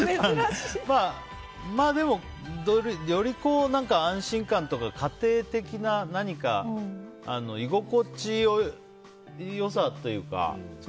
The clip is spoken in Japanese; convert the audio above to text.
でも、より安心感とか家庭的な何か居心地の良さというか。